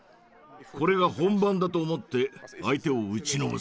これが本番だと思って相手を打ちのめせ。